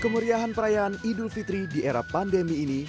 kemeriahan perayaan idul fitri di era pandemi ini